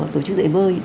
tổ chức dạy bơi